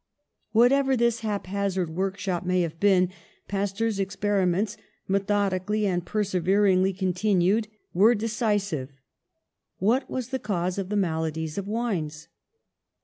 '^ Whatever this haphazard workshop may have been, Pasteur's experiments, methodically and perseveringly continued, were decisive. What was the cause of the maladies of wines?